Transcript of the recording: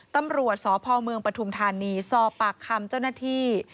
ตำรวจสพเมืองปฐุมธานีสอบปากคำเจ้าหน้าที่